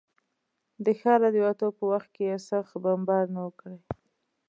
د ښاره د وتو په وخت کې یې سخت بمبار نه و کړی.